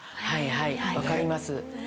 はいはい分かります。